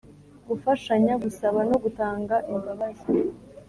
gufashanya, gusaba no gutanga imbabazi ;